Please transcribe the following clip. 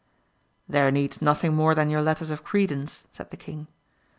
There needs nothing more than your letters of credence, said the king.